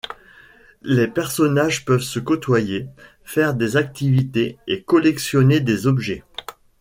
Les personnages peuvent se côtoyer, faire des activités et collectionner des objets.